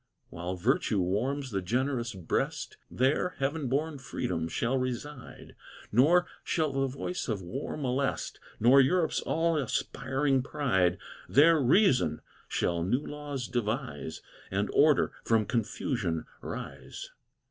While virtue warms the generous breast, There heaven born freedom shall reside, Nor shall the voice of war molest, Nor Europe's all aspiring pride There Reason shall new laws devise, And order from confusion rise.